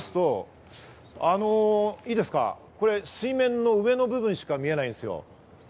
そうしますと、これ水面の上の部分しか見えないんですよ。